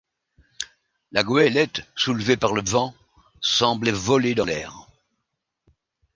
La goëlette, soulevée par le vent, semblait voler dans l’air.